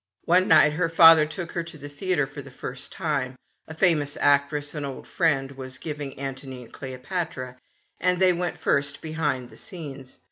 One night her father took her to the theatre for the first time. A famous actress, an old 24 THE STORY OF A MODERN WOMAN. friend, was giving Antony and CleopaWa^ and they went first behind the scenes.